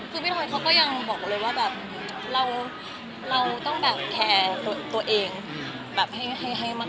คือพี่ทอยเขาก็ยังบอกเลยว่าแบบเราต้องแบบแคร์ตัวเองแบบให้มาก